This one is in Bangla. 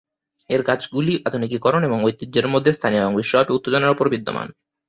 এর কাজগুলি আধুনিকীকরণ এবং ঐতিহ্যের মধ্যে; স্থানীয় এবং বিশ্বব্যাপী উত্তেজনার উপর বিদ্যমান।